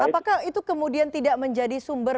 apakah itu kemudian tidak menjadi sumber